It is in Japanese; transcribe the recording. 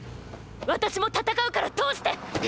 私も戦うから通して！！